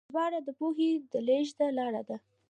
ژباړه د پوهې د لیږد لاره ده.